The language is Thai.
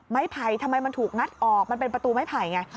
ไผ่ทำไมมันถูกงัดออกมันเป็นประตูไม้ไผ่ไง